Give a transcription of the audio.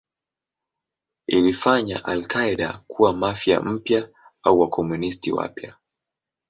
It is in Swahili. Ilifanya al-Qaeda kuwa Mafia mpya au Wakomunisti wapya.